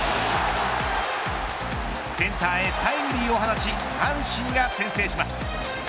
センターへタイムリーを放ち阪神が先制します。